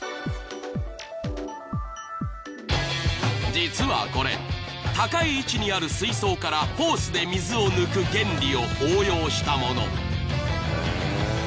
［実はこれ高い位置にある水槽からホースで水を抜く原理を応用したもの］